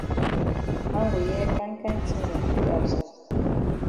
Man go hear kind kind tin dem for di outside.